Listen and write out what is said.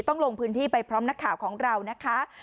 ลงพื้นที่ไปพร้อมนักข่าวของเรานะคะ